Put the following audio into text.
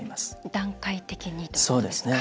段階的にということですか。